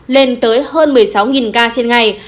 lên tới hơn một mươi sáu ca trên ngày